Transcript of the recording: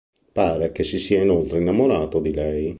Pare che si sia inoltre innamorato di lei.